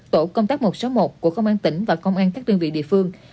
tổ công tác một trăm sáu mươi một của công an tỉnh và công an các đơn vị địa phương